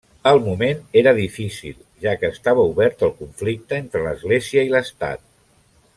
El moment era difícil, ja que estava obert el conflicte entre l'Església i l'Estat.